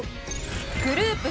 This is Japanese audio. グループＣ